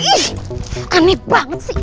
ih aneh banget sih